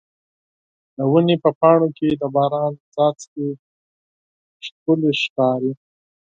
د ونې په پاڼو کې د باران څاڅکي ښکلي ښکاري.